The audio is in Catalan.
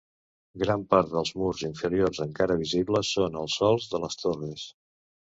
Gran part dels murs inferiors encara visibles són els sòls de les torres.